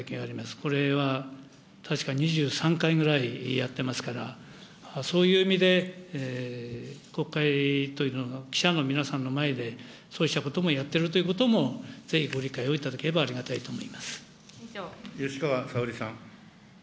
これは確か２３回ぐらいやってますから、そういう意味で国会というのが、記者の皆さんの前で、そうしたこともやってるということも、ぜひご理解をいただければありがたい吉川沙織さん。